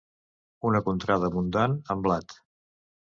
Una contrada abundant en blat.